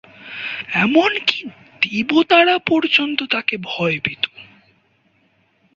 এমনকি দেবতারা পর্যন্ত তাকে ভয় পেত।